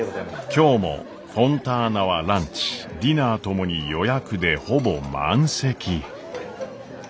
今日もフォンターナはランチディナーともに予約でほぼ満席。